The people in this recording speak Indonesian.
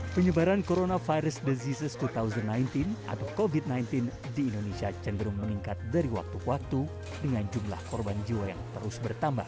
penyebaran coronavirus diseases dua ribu sembilan belas atau covid sembilan belas di indonesia cenderung meningkat dari waktu ke waktu dengan jumlah korban jiwa yang terus bertambah